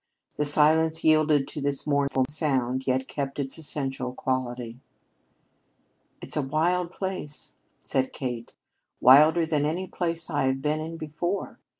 The silence yielded to this mournful sound, yet kept its essential quality. "It's a wild place," said Kate; "wilder than any place I have been in before.